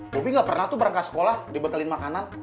bobi gak pernah tuh berangkat sekolah dibekelin makanan